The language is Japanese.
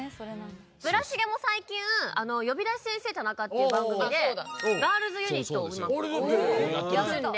村重も最近『呼び出し先生タナカ』って番組でガールズユニットを今組んで。